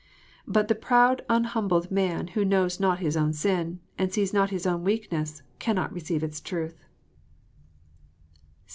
But the proud unhumbled man who knows not his own sin, and sees not his own weakness, cannot receive its truth.